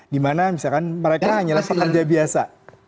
dimana misalkan mereka hanyalah pekerja biasa